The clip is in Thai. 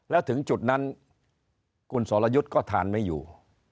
แล้วถึงจุดนั้นคุณสรยุทธ์ก็ทานไม่อยู่